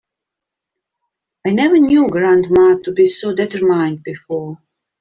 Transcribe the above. I never knew grandma to be so determined before.